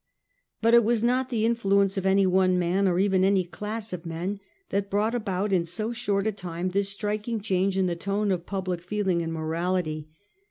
But it was not the influence of any one mfl.n ; or even any class of men, that brought about in so short a time this striking change in the tone of public feeling and morality.